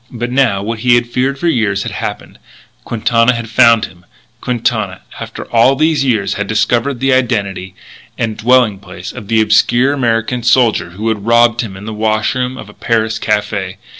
But now, what he had feared for years had happened. Quintana had found him, Quintana, after all these years, had discovered the identity and dwelling place of the obscure American soldier who had robbed him in the wash room of a Paris café.